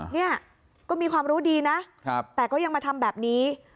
เนี่ยก็มีความรู้ดีนะแต่ก็ยังมาทำแบบนี้